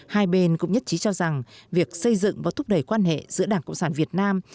hai bên cũng nhất trí cho rằng việc xây dựng và thúc đẩy quan hệ giữa đảng cộng sản việt nam